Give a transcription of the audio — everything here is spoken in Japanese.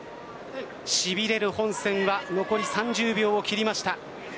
しびれる本戦は残り３０秒を切りました。